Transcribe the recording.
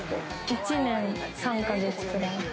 １年３ヶ月くらい。